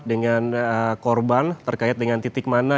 dengan korban terkait dengan titik mana